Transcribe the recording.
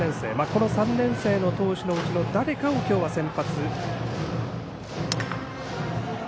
この３年生の投手のうちの誰かを今日は先発。